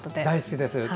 大好きです。